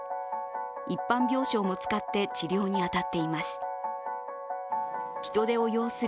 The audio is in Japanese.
一般病床も使って治療に当たっています。